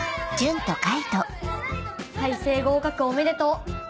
開成合格おめでとう。